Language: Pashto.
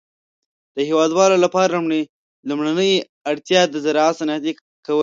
د هيوادونو لپاره لومړنۍ اړتيا د زراعت صنعتي کول دي.